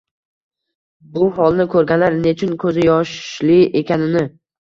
Bu holni ko'rganlar nechun ko'zi yoshli ekanini